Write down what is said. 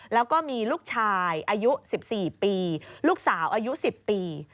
แล้วก็มีลูกชายอายุ๑๔ปีลูกสาวอายุ๑๐ปี